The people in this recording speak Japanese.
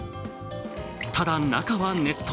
ただ中は熱湯。